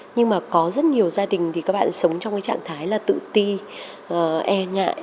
nhưng mà có rất nhiều gia đình thì các bạn sống trong trạng thái tự ti e ngại